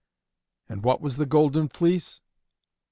And what was the Golden Fleece?